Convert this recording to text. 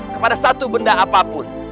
kepada satu benda apapun